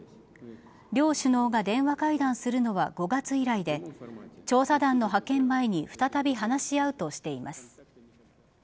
両首脳が電話会談するのは５月以来で調査団の派遣前に再び話し合うとしています。